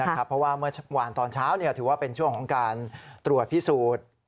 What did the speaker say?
เพราะว่าเมื่อวานตอนเช้าถือว่าเป็นช่วงของการตรวจพิสูจน์